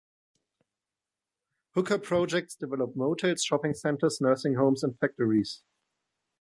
Hooker Projects developed motels, shopping centres, nursing homes and factories.